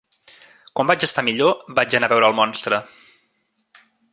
Quan vaig estar millor vaig anar a veure el monstre.